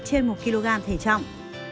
trên một kg thể trọng